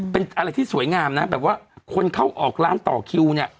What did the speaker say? เป็นอะไรที่สวยงามนะแบบว่าคนเข้าออกร้านต่อคิวเนี่ย